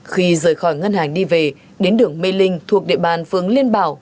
khi rời khỏi ngân hàng đi về đến đường mê linh thuộc địa bàn phường liên bảo